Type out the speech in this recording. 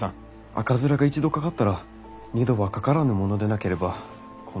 赤面が一度かかったら二度はかからぬものでなければこの方法は。